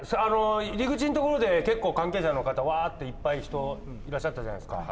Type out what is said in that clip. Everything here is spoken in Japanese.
入り口の所で結構関係者の方わっていっぱい人いらっしゃったじゃないですか。